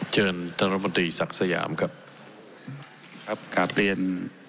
เชิญท่านรัฐมนตรีศักดิ์สยามครับครับกราบเรียน